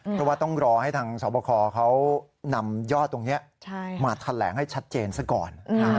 เพราะว่าต้องรอให้ทางสวบคเขานำยอดตรงนี้มาแถลงให้ชัดเจนซะก่อน